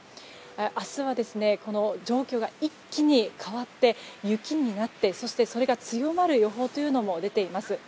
明日は、この状況が一気に変わって、雪になってそしてそれが強まる予報も出ています。